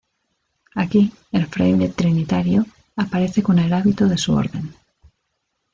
Aquí, el fraile trinitario aparece con el hábito de su orden.